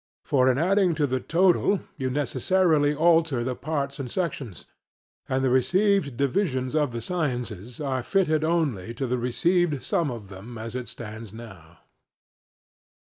For in adding to the total you necessarily alter the parts and sections; and the received divisions of the sciences are fitted only to the received sum of them as it stands now.